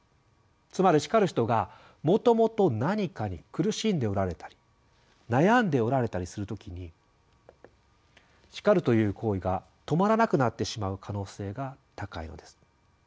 つまり叱る人がもともと何かに苦しんでおられたり悩んでおられたりする時に「叱る」という行為がとまらなくなってしまう可能性が高いのです。